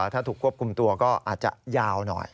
ถ้าถูกควบคุมตัวก็อาจจะยาวหน่อย